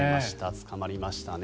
捕まりましたね。